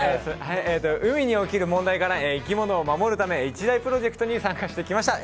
海に起きる問題から生き物を守るため一大プロジェクトに参加してきました。